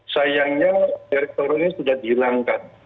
sayangnya elektoral ini sudah dihilangkan